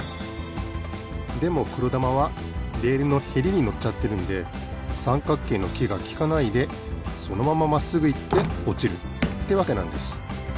でもくろだまはレールのヘリにのっちゃってるんでさんかっけいのきがきかないでそのまままっすぐいっておちるってわけなんです。